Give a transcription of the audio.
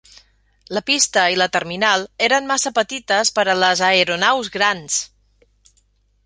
La pista i la terminal eren massa petites per a les aeronaus grans.